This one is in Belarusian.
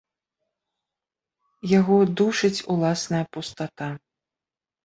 Яго душыць уласная пустата.